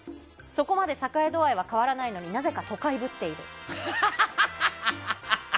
そこまで栄え度合いは変わらないのになぜか都会ぶっている。